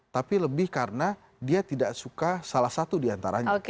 tapi lebih karena dia tidak suka salah satu diantaranya